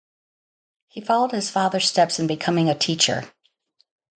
He followed his father's steps in becoming a teacher.